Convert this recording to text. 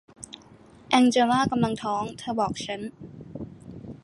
แองเจล่ากำลังท้อง เธอบอกฉัน